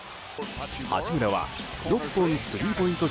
八村は、６本スリーポイント